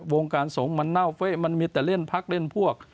วงการสงฆ์มันเน่าเฟะมันมีแต่เล่นพักเล่นพวก